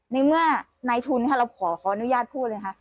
ในเมื่อนายทุนค่ะเราขออนุญาตพูดเลยค่ะ